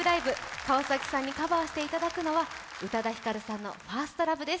川崎さんにカバーしていただくのは宇多田ヒカルさんの「ＦｉｒｓｔＬｏｖｅ」です。